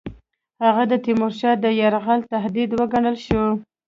هغه د تیمورشاه د یرغل تهدید وګڼل شو.